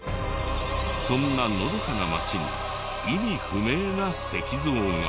そんなのどかな街に意味不明な石像が。